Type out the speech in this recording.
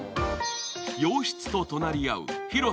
洋室と隣り合う広さ